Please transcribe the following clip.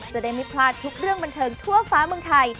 จะได้ไม่พลาดทุกเรื่องบันเทิงทั่วฟ้าเมืองไทย